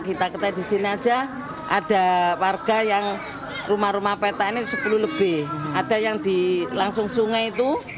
kita ketahui di sini aja ada warga yang rumah rumah peta ini sepuluh lebih ada yang di langsung sungai itu